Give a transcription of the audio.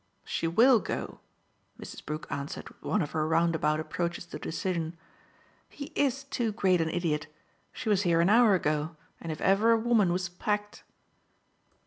"She WILL go," Mrs. Brook answered with one of her roundabout approaches to decision. "He IS too great an idiot. She was here an hour ago, and if ever a woman was packed